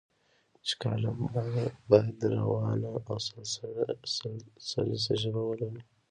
چې کالم باید روانه او سلیسه ژبه ولري.